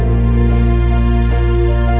saya sekarang selesai